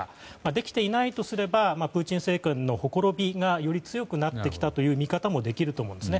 できていないとすればプーチン政権のほころびがより強くなってきたという見方もできると思います。